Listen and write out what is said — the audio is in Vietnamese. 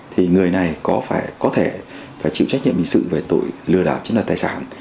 thì người này có thể phải chịu trách nhiệm bình sự về tội lừa đảo chứng đoàn tài sản